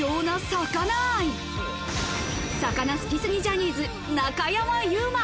魚好きすぎジャニーズ・中山優馬。